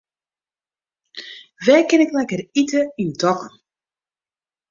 Wêr kin ik lekker ite yn Dokkum?